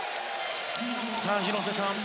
さあ、広瀬さん